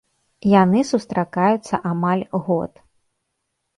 Яны сустракаюцца амаль год.